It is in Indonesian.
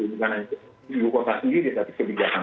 bukan hanya ibu kota sendiri tapi kebijakan